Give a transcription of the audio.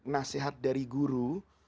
nasihat dari guru